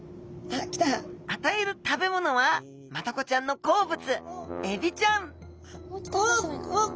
あたえる食べ物はマダコちゃんの好物エビちゃんおっ！